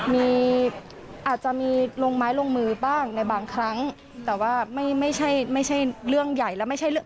มีอาจจะมีลงไม้ลงมือบ้างในบางครั้งแต่ว่าไม่ใช่ไม่ใช่เรื่องใหญ่แล้วไม่ใช่เรื่อง